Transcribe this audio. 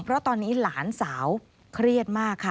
เพราะตอนนี้หลานสาวเครียดมากค่ะ